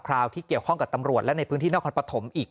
ราวที่เกี่ยวข้องกับตำรวจและในพื้นที่นครปฐมอีก